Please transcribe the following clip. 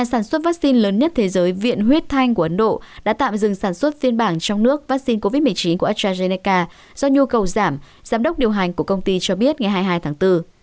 sản xuất vaccine lớn nhất thế giới viện huyết thanh của ấn độ đã tạm dừng sản xuất phiên bản trong nước vaccine covid một mươi chín của astrazeneca do nhu cầu giảm giám đốc điều hành của công ty cho biết ngày hai mươi hai tháng bốn